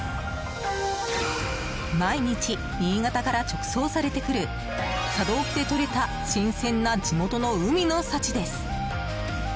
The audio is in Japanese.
毎日、新潟から直送されてくる佐渡沖でとれた新鮮な地元の海の幸です。